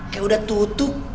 kayak udah tutup